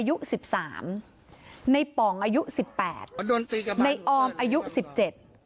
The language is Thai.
อายุสิบสามในป่องอายุสิบแปดในออมอายุสิบเจ็ด